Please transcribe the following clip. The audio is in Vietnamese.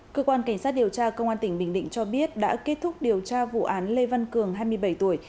cơ quan cảnh sát điều tra công an tỉnh bình định cho biết đã kết thúc điều tra vụ án lê văn cường hai mươi bảy tuổi